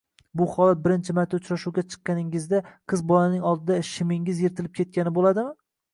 bu holat birinchi marta uchrashuvga chiqqaningizda qiz bolaning oldida shimingiz yirtilib ketgani bo’ladimi